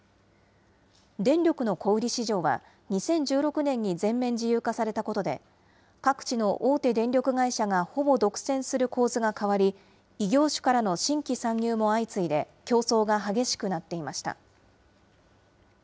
電力の小売り市場は、２０１６年に全面自由化されたことで、各地の大手電力会社がほぼ独占する構図が変わり、異業種からの新規参入も相次いで、競争が激しくなっていました。